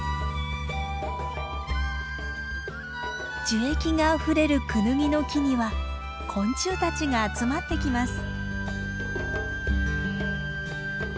樹液があふれるクヌギの木には昆虫たちが集まってきます。